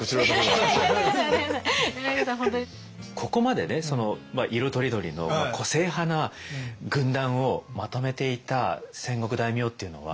ここまでね色とりどりの個性派な軍団をまとめていた戦国大名っていうのは。